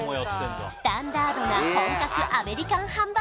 スタンダードな本格アメリカン